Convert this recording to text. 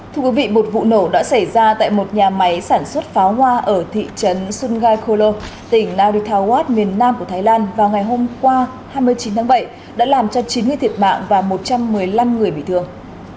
thưa quý vị một vụ nổ đã xảy ra tại một nhà máy sản xuất pháo hoa ở thị trấn sungai kolo tỉnh narita wat miền nam của thái lan vào ngày hôm qua hai mươi chín tháng bảy đã làm cho chín người thiệt mạng và một trăm một mươi năm người bị thương